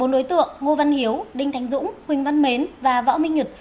bốn đối tượng ngô văn hiếu đinh thánh dũng huỳnh văn mến và võ minh nhật